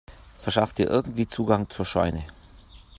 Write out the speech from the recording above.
Verschaff dir irgendwie Zugang zur Scheune!